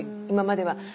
今までは。